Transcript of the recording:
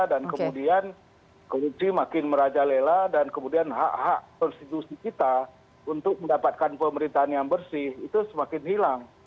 dan kemudian korupsi makin merajalela dan kemudian hak hak konstitusi kita untuk mendapatkan pemerintahan yang bersih itu semakin hilang